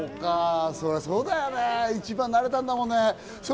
そうだよね、一番になれたんだもんね。